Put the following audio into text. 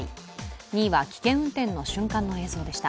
２位は、危険運転の瞬間の映像でした。